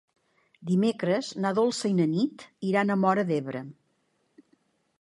Dimecres na Dolça i na Nit iran a Móra d'Ebre.